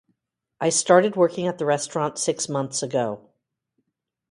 I started working at the restaurant six months ago.